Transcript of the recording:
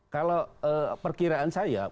kalau perkiraan saya